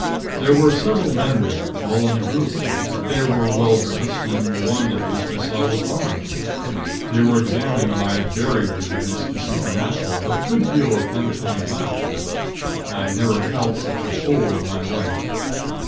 There were several men there, all in a group. They were well dressed, and one, at least, I saw was armed. They were examining my 'Barriers' against the Supernatural, with a good deal of unkind laughter. I never felt such a fool in my life.